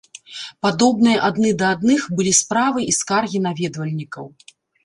Падобныя адны да адных былі справы і скаргі наведвальнікаў.